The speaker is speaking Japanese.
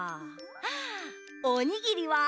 あおにぎりは？